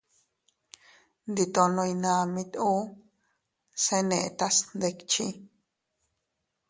Nditono iynamit uu, se netas ndikchi.